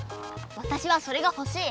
わたしはそれがほしい！